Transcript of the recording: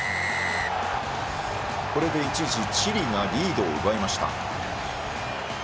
これで一時、チリがリードを奪いました。